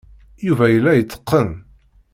Yuba yella yetteqqen.